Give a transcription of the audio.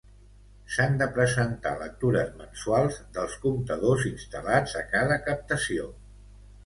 S'han de presentar lectures mensuals dels comptadors instal·lats a cada captació.